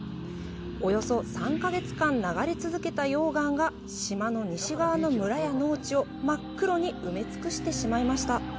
およそ３か月間流れ続けた溶岩が島の西側の村や農地を真っ黒に埋め尽くしてしまいました。